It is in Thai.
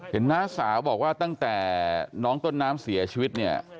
น้าสาวบอกว่าตั้งแต่น้องต้นน้ำเสียชีวิตเนี่ย